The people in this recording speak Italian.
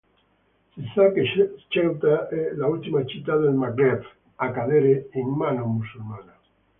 Si sa che Ceuta fu l'ultima città del Maghreb a cadere in mano musulmana.